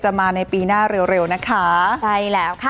จะมาในปีหน้าเร็วนะคะได้แล้ว